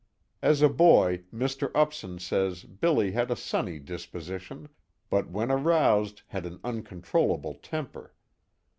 As a boy, Mr. Upson says Billy had a sunny disposition, but when aroused had an uncontrollable temper.